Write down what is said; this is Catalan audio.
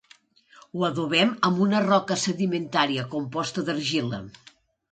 Ho adobem amb una roca sedimentària composta d'argila.